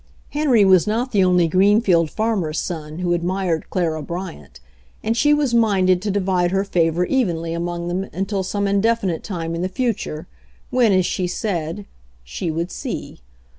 Henry was not the only Greenfield fanner's son who admired Clara Bryant, and she was minded to divide her favor evenly among them until some indefinite time in the future, when, as she said, "she would see."